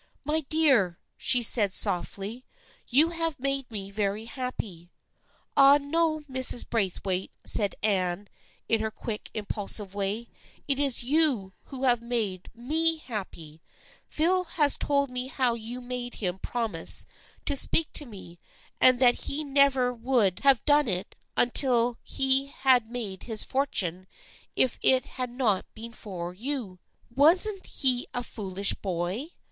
" My dear," she said softly, " you have made me very happy." " Ah, no, Mrs. Braithwaite," said Anne in her quick impulsive way, " it is you who have made me happy ! Phil has told me how you made him promise to speak to me, and that he never would 332 THE FRIENDSHIP OF ANNE have done it until he had made his fortune if it had not been for you. Wasn't he a foolish boy